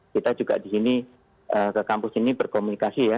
kita juga di sini ke kampus ini berkomunikasi ya